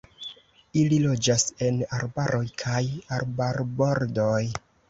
Ili loĝas en arbaroj kaj arbarbordoj.